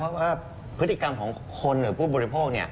เพราะว่าพฤติกรรมของคนหรือผู้บริโภค